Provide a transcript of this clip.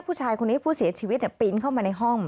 ผู้ชายคนนี้ผู้เสียชีวิตปีนเข้ามาในห้อง